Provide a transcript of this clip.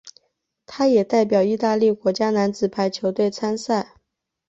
他也代表意大利国家男子排球队参赛。